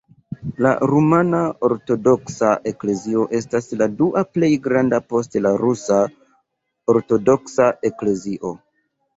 La Rumana Ortodoksa Eklezio estas la dua plej granda post la Rusa Ortodoksa Eklezio.